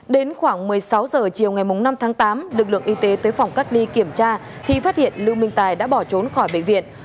đến khoảng một mươi sáu h chiều ngày năm tháng tám lực lượng y tế tới phòng cách ly kiểm tra thì phát hiện lương minh tài đã bỏ trốn khỏi bệnh viện